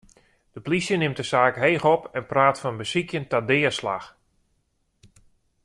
De polysje nimt de saak heech op en praat fan besykjen ta deaslach.